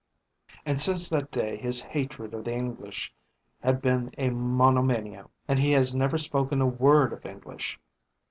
And since that day his hatred of the English had been a monomania, and he has never spoken a word of English.